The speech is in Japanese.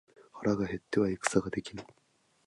腹が減っては戦はできぬ。